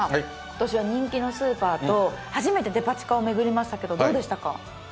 今年は人気のスーパーと初めてデパ地下を巡りましたけどどうでしたか？